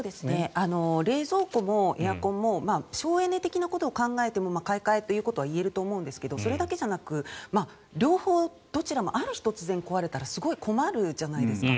冷蔵庫もエアコンも省エネ的なことを考えても買い替えということはいえると思いますがそれだけじゃなく両方どちらもある日、突然壊れたらすごい困るじゃないですか。